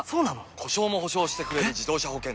故障も補償してくれる自動車保険といえば？